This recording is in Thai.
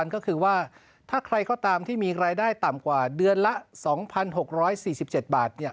ก็คือว่าถ้าใครก็ตามที่มีรายได้ต่ำกว่าเดือนละ๒๖๔๗บาท